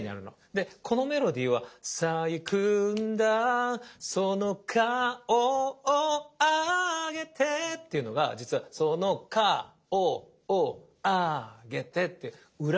でこのメロディーは「さあ行くんだその顔をあげて」っていうのが実は「その顔をあげて」って裏のビートに乗ってんの。